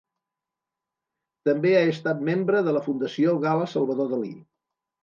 També ha estat membre de la Fundació Gala-Salvador Dalí.